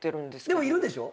でもいるでしょ？